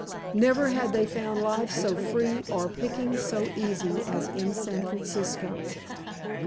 Never had they found life so free or pickings so easy as in San Francisco.